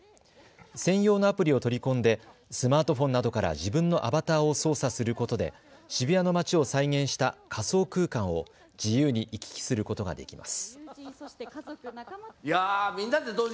専用のアプリを取り込んでスマートフォンなどから自分のアバターを操作することで渋谷の街を再現した仮想空間を自由に行き来することができます。